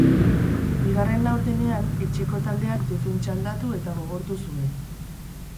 Bigarren laurdenean, etxeko taldeak defentsa aldatu eta gogortu zuen.